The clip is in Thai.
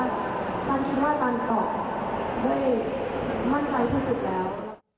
แต่ตาลคิดตอบมั่นใจที่สุดแล้ว